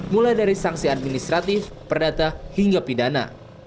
mulai dari sanksi administratif perdata hingga pidana